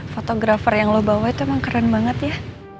fotografer yang lo bawa itu emang keren banget ya